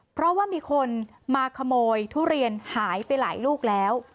เพราะว่ามีคนมาขโมยทุเรียนหายไปหลายลูกแล้ว